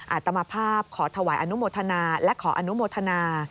อาตมาภาพขอถวายอนุโมทนาและขออนุโมทนา